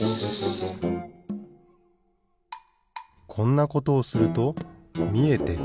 こんなことをするとみえてくる。